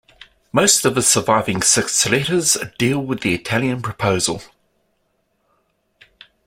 Most of his surviving six letters deal with the Italian proposal.